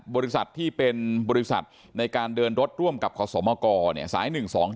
บริษัทที่เป็นบริษัทในการเดินรถร่วมกับขอสมกสาย๑๒๗